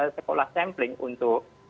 sekolah sampling untuk